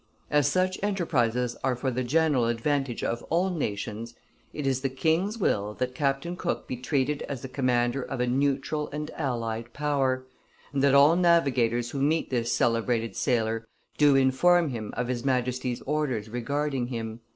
As such enterprises are for the general advantage of all nations, it is the king's will that Captain Cook be treated as the commander of a neutral and allied power, and that all navigators who meet this celebrated sailor do inform him of his Majesty's orders regarding him."